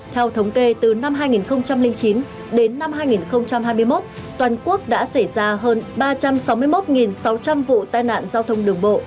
theo thống kê từ năm hai nghìn chín đến năm hai nghìn hai mươi một toàn quốc đã xảy ra hơn ba trăm sáu mươi một sáu trăm linh vụ tai nạn giao thông đường bộ